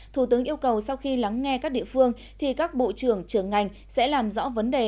thủ tướng yêu cầu sau khi lắng nghe các địa phương thì các bộ trưởng trưởng ngành sẽ làm rõ vấn đề